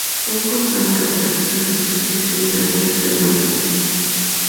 Se han encontrado reportes de su distribución en las islas del mar Caribe.